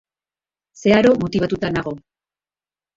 Zeharo motibatuta nago.